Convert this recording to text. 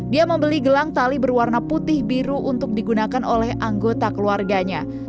dia membeli gelang tali berwarna putih biru untuk digunakan oleh anggota keluarganya